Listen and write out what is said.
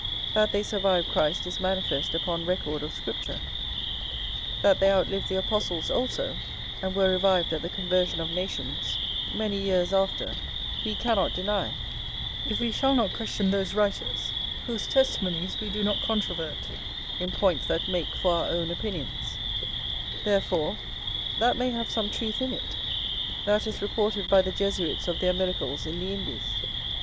That they survived Christ is manifest upon record of Scripture: that they outlived the apostles also, and were revived at the conversion of nations, many years after, we cannot deny, if we shall not question those writers whose testimonies we do not controvert in points that make for our own opinions: therefore, that may have some truth in it, that is reported by the Jesuits of their miracles in the Indies.